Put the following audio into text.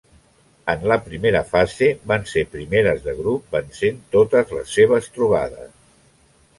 En la primera fase van ser primeres de grup vencent totes les seves trobades.